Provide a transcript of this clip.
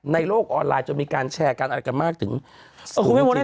ในโลกออนไลน์จะมีการแชร์การอะไรกันมากถึงเออคุณพี่โมได้